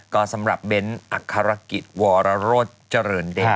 ก็สำหรับเบ้นอักษรกิจวรโรธเจริญเดช